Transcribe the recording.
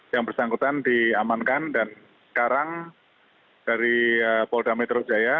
yang bersangkutan diamankan dan sekarang dari polda metro jaya